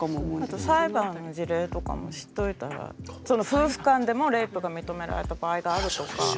あと裁判の事例とかも知っといたら夫婦間でもレイプが認められた場合があるとか。